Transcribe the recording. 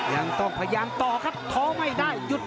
ยังต้องพยายามตลอด